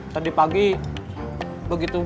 tadi pagi begitu bangun orang anak yang sama